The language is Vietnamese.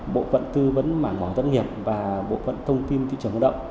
bộ phận tư vấn mảng mỏ tất nghiệp và bộ phận thông tin thị trường hợp động